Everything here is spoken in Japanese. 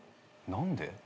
何で？